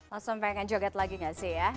langsung pengen joget lagi gak sih ya